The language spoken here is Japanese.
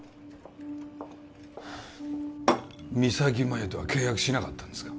三咲麻有とは契約しなかったんですか？